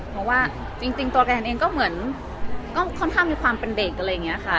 เพราะว่าจริงตัวแกนเองก็เหมือนก็ค่อนข้างมีความเป็นเด็กอะไรอย่างนี้ค่ะ